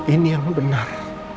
ini yang benar